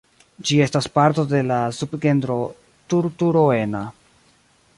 Ĝi estas parto de la subgenro "Turturoena".